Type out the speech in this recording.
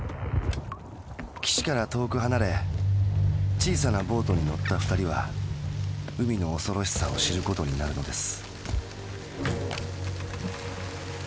岸から遠く離れ小さなボートに乗ったふたりは海の恐ろしさを知ることになるのです。